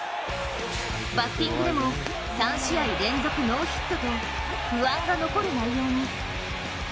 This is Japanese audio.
バッティングでも３試合連続ノーヒットと不安が残る内容に。